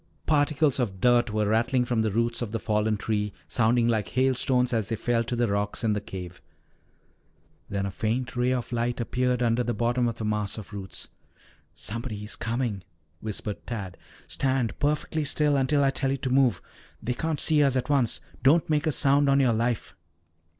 Particles of dirt were rattling from the roots of the fallen tree, sounding like hailstones as they fell to the rocks in the cave. Then a faint ray of light appeared under the bottom of the mass of roots. "Somebody is coming," whispered Tad. "Stand perfectly still until I tell you to move." "They can't see us at once. Don't make a sound on your life."